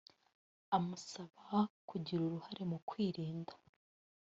Amusaba kugira uruhare mu kwirinda